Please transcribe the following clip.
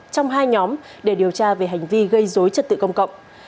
trong hai nhóm để điều tra về hành vi gây dối trật tự công cộng